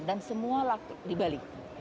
dan semua di bali